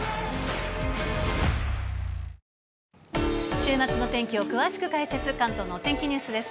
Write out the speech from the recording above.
週末の天気を詳しく解説、関東のお天気ニュースです。